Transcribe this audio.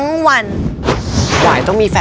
มีความรักของเรา